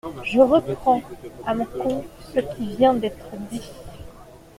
Je reprends à mon compte ce qui vient d’être dit.